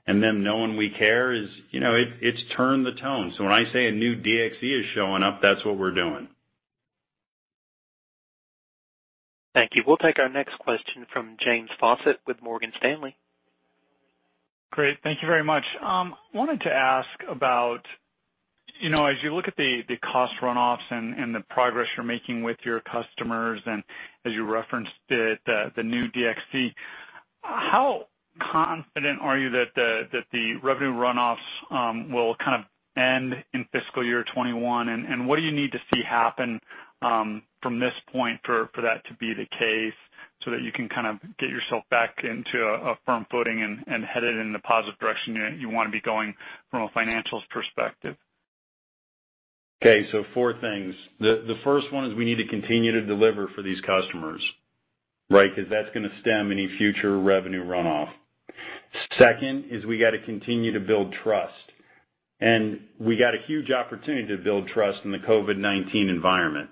and them knowing we care. It's turned the tone. When I say a new DXC is showing up, that's what we're doing. Thank you. We'll take our next question from James Faucette with Morgan Stanley. Great. Thank you very much. I wanted to ask about, as you look at the cost runoffs and the progress you're making with your customers and, as you referenced it, the new DXC, how confident are you that the revenue runoffs will kind of end in fiscal year 2021? And what do you need to see happen from this point for that to be the case so that you can kind of get yourself back into a firm footing and head it in the positive direction you want to be going from a financials perspective? Okay. So four things. The first one is we need to continue to deliver for these customers, right, because that's going to stem any future revenue runoff. Second is we got to continue to build trust. We got a huge opportunity to build trust in the COVID-19 environment.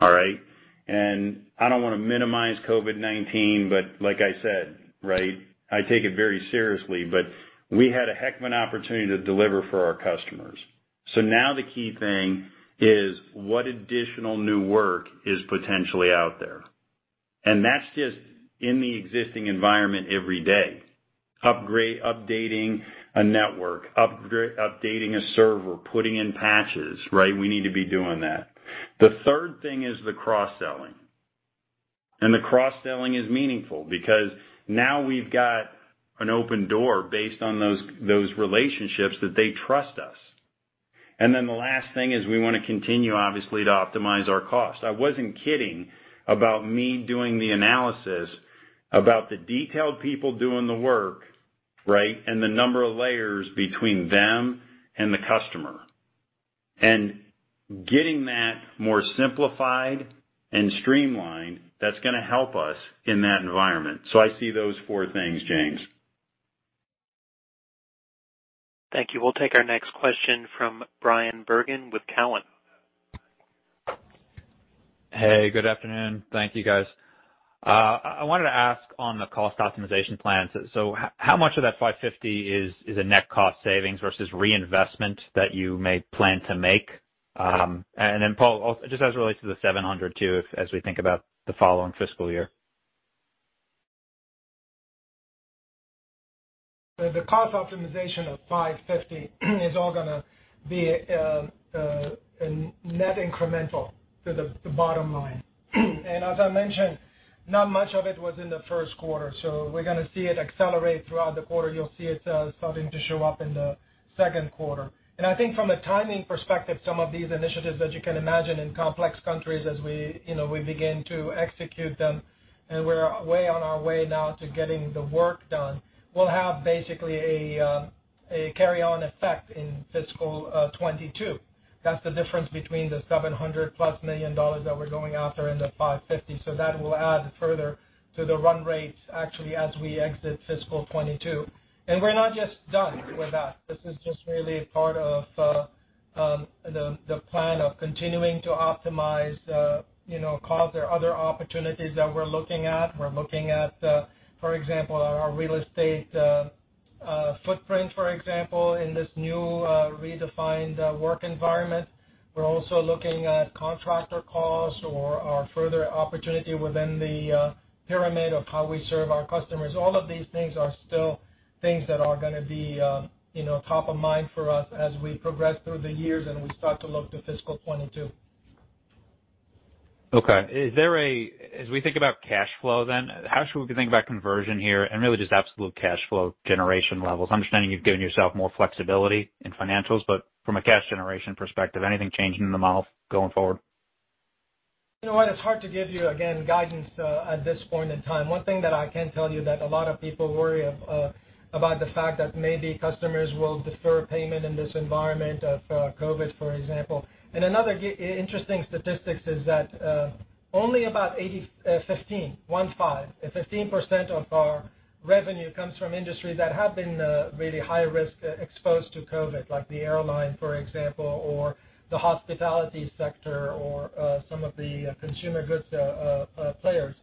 All right? I don't want to minimize COVID-19, but like I said, right, I take it very seriously, but we had a heck of an opportunity to deliver for our customers. Now the key thing is what additional new work is potentially out there. That's just in the existing environment every day. Upgrading, updating a network, updating a server, putting in patches, right? We need to be doing that. The third thing is the cross-selling. The cross-selling is meaningful because now we've got an open door based on those relationships that they trust us. Then the last thing is we want to continue, obviously, to optimize our cost. I wasn't kidding about me doing the analysis about the detailed people doing the work, right, and the number of layers between them and the customer, and getting that more simplified and streamlined, that's going to help us in that environment, so I see those four things, James. Thank you. We'll take our next question from Bryan Bergin with Cowen. Hey, good afternoon. Thank you, guys. I wanted to ask on the cost optimization plans, so how much of that $550 is a net cost savings versus reinvestment that you may plan to make, and then Paul, just as it relates to the $700 too, as we think about the following fiscal year. The cost optimization of $550 is all going to be net incremental to the bottom line, and as I mentioned, not much of it was in the first quarter. We're going to see it accelerate throughout the quarter. You'll see it starting to show up in the second quarter. And I think from a timing perspective, some of these initiatives that you can imagine in complex countries as we begin to execute them, and we're well on our way now to getting the work done, will have basically a carryover effect in fiscal 2022. That's the difference between the $700 million-plus that we're going after and the $550 million. So that will add further to the run rate, actually, as we exit fiscal 2022. And we're not just done with that. This is just really part of the plan of continuing to optimize costs. There are other opportunities that we're looking at. We're looking at, for example, our real estate footprint, for example, in this new redefined work environment. We're also looking at contractor costs or our further opportunity within the pyramid of how we serve our customers. All of these things are still things that are going to be top of mind for us as we progress through the years and we start to look to fiscal 2022. Okay. As we think about cash flow then, how should we think about conversion here and really just absolute cash flow generation levels? I'm understanding you've given yourself more flexibility in financials, but from a cash generation perspective, anything changing in the model going forward? You know what? It's hard to give you, again, guidance at this point in time. One thing that I can tell you is that a lot of people worry about the fact that maybe customers will defer payment in this environment of COVID, for example. Another interesting statistic is that only about 15% of our revenue comes from industries that have been really high-risk exposed to COVID, like the airline, for example, or the hospitality sector or some of the consumer goods players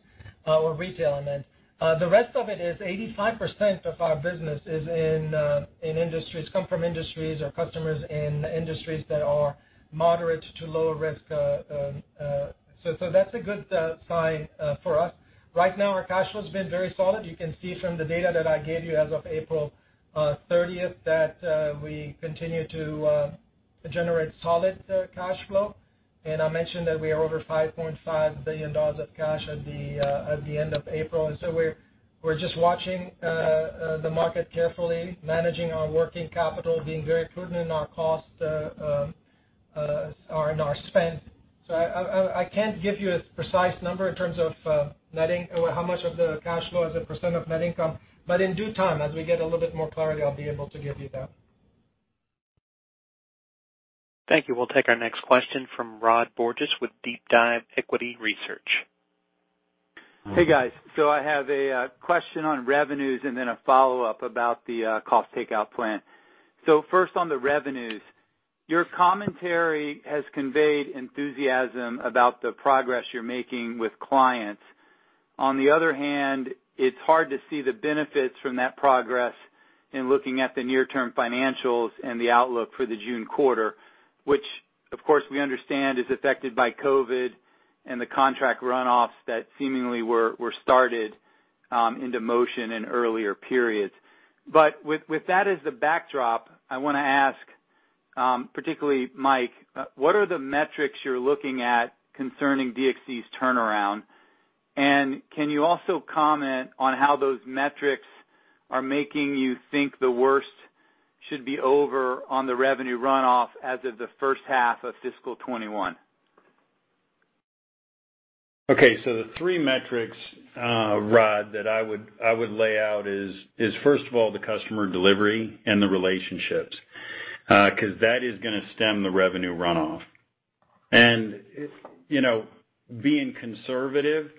or retailers. The rest of it is 85% of our business is in industries or customers in industries that are moderate to low-risk. So that's a good sign for us. Right now, our cash flow has been very solid. You can see from the data that I gave you as of April 30th that we continue to generate solid cash flow. I mentioned that we are over $5.5 billion of cash at the end of April. So we're just watching the market carefully, managing our working capital, being very prudent in our cost or in our spend. So I can't give you a precise number in terms of how much of the cash flow as a percent of net income, but in due time, as we get a little bit more clarity, I'll be able to give you that. Thank you. We'll take our next question from Rod Bourgeois with DeepDive Equity Research. Hey, guys. So I have a question on revenues and then a follow-up about the cost takeout plan. So first, on the revenues, your commentary has conveyed enthusiasm about the progress you're making with clients. On the other hand, it's hard to see the benefits from that progress in looking at the near-term financials and the outlook for the June quarter, which, of course, we understand is affected by COVID and the contract runoffs that seemingly were started into motion in earlier periods. But with that as the backdrop, I want to ask, particularly Mike, what are the metrics you're looking at concerning DXC's turnaround? And can you also comment on how those metrics are making you think the worst should be over on the revenue runoff as of the first half of fiscal 2021? Okay. So the three metrics, Rod, that I would lay out is, first of all, the customer delivery and the relationships because that is going to stem the revenue runoff. And being conservative,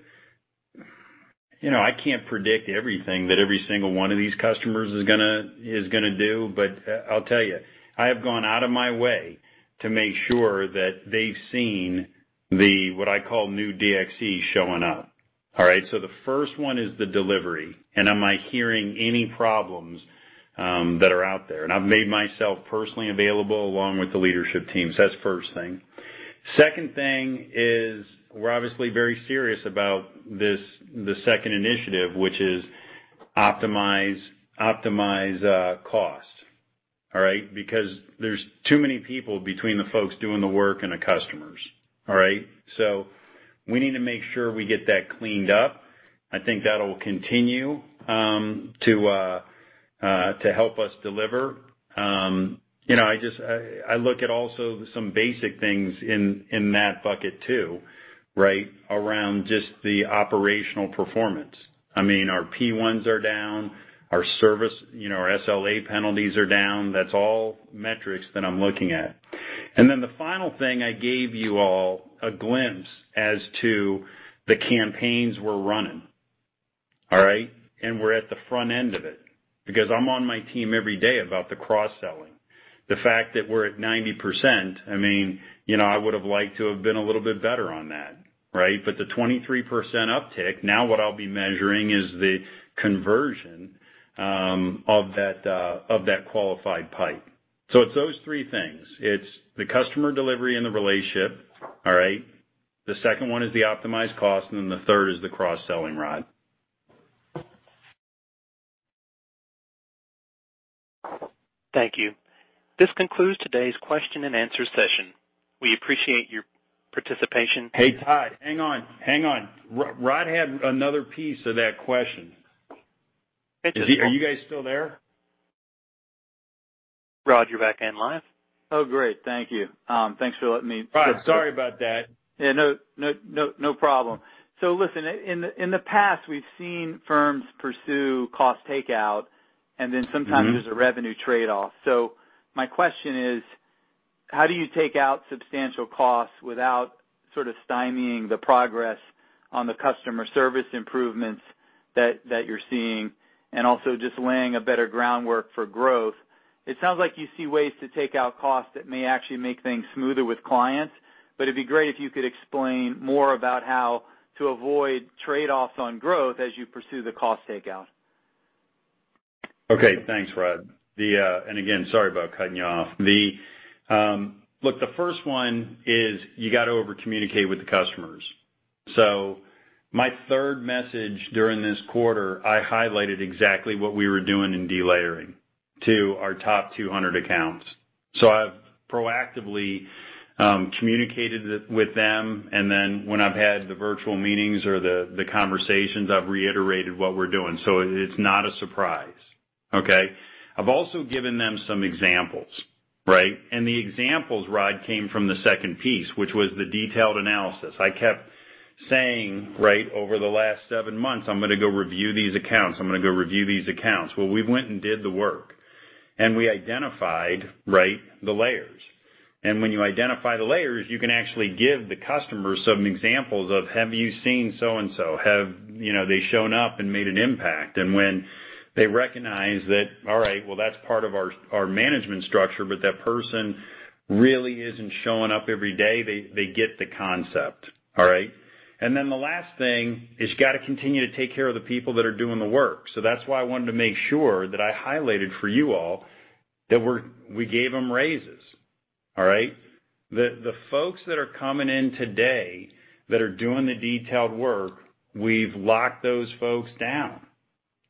I can't predict everything that every single one of these customers is going to do, but I'll tell you, I have gone out of my way to make sure that they've seen what I call new DXC showing up. All right? So the first one is the delivery, and am I hearing any problems that are out there? And I've made myself personally available along with the leadership teams. That's the first thing. Second thing is we're obviously very serious about the second initiative, which is optimize cost, all right? Because there's too many people between the folks doing the work and the customers, all right? So we need to make sure we get that cleaned up. I think that'll continue to help us deliver. I look at also some basic things in that bucket too, right, around just the operational performance. I mean, our P1s are down, our SLA penalties are down. That's all metrics that I'm looking at. And then the final thing, I gave you all a glimpse as to the campaigns we're running, all right? And we're at the front end of it because I'm on my team every day about the cross-selling. The fact that we're at 90%, I mean, I would have liked to have been a little bit better on that, right? But the 23% uptick, now what I'll be measuring is the conversion of that qualified pipe. So it's those three things. It's the customer delivery and the relationship, all right? The second one is the optimized cost, and then the third is the cross-selling, Rod. Thank you. This concludes today's question and answer session. We appreciate your participation. Hey, Todd, hang on. Hang on. Rod had another piece of that question. Are you guys still there? Rod, you're back online. Oh, great. Thank you. Thanks for letting me. Rod, sorry about that. Yeah, no problem. So listen, in the past, we've seen firms pursue cost takeout, and then sometimes there's a revenue trade-off. So my question is, how do you take out substantial costs without sort of stymieing the progress on the customer service improvements that you're seeing and also just laying a better groundwork for growth? It sounds like you see ways to take out costs that may actually make things smoother with clients, but it'd be great if you could explain more about how to avoid trade-offs on growth as you pursue the cost takeout. Okay. Thanks, Rod. And again, sorry about cutting you off. Look, the first one is you got to over-communicate with the customers. So my third message during this quarter, I highlighted exactly what we were doing in delayering to our top 200 accounts. So I've proactively communicated with them, and then when I've had the virtual meetings or the conversations, I've reiterated what we're doing. So it's not a surprise, okay? I've also given them some examples, right, and the examples, Rod, came from the second piece, which was the detailed analysis, I kept saying, right, over the last seven months, "I'm going to go review these accounts. I'm going to go review these accounts," well, we went and did the work, and we identified, right, the layers, and when you identify the layers, you can actually give the customers some examples of, "Have you seen so-and-so? Have they shown up and made an impact?" and when they recognize that, "All right, well, that's part of our management structure, but that person really isn't showing up every day," they get the concept, all right, and then the last thing is you got to continue to take care of the people that are doing the work. So that's why I wanted to make sure that I highlighted for you all that we gave them raises, all right? The folks that are coming in today that are doing the detailed work, we've locked those folks down.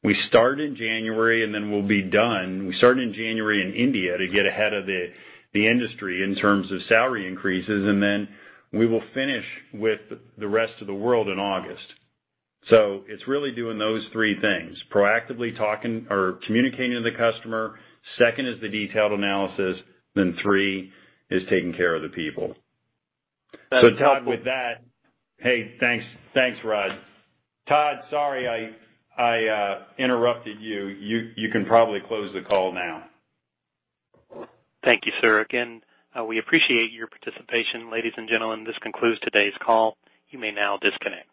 We start in January, and then we'll be done. We started in January in India to get ahead of the industry in terms of salary increases, and then we will finish with the rest of the world in August. So it's really doing those three things: proactively talking or communicating to the customer. Second is the detailed analysis. Then three is taking care of the people. So with that, hey, thanks, Rod. Todd, sorry I interrupted you. You can probably close the call now. Thank you, sir. Again, we appreciate your participation. Ladies and gentlemen, this concludes today's call. You may now disconnect.